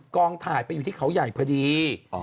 กองถ่ายไปอยู่ที่เขาใหญ่พอดี